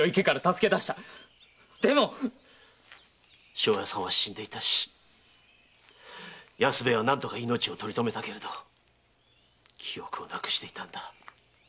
庄屋さんは死んでいたし安兵衛は何とか命をとり留めたけれど記憶を失くしていたんだ。